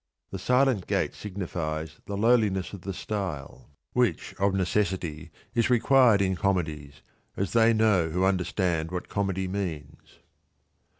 The silent gait signifies the lowliness of the style, which of necessity is required in Comedies, as they know who. understand what Comedy means.